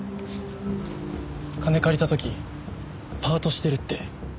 金借りた時パートしてるって。